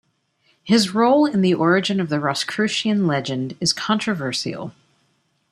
His role in the origin of the Rosicrucian legend is controversial.